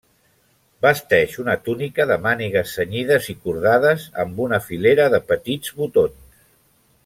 Vesteix una túnica de mànigues cenyides i cordades amb una filera de petits botons.